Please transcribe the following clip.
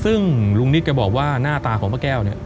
ซึ่งลุงนิดก็บอกว่าหน้าตาของป้าแก้วเนี่ย